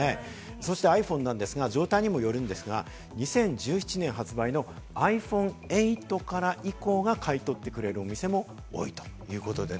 そしてｉＰｈｏｎｅですが、状態にもよりますが、２０１７年発売のｉＰｈｏｎｅ８以降から買い取ってくれる店も多いということです。